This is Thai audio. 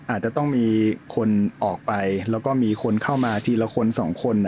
อาจจะต้องมีคนออกไปแล้วก็มีคนเข้ามาทีละคนสองคน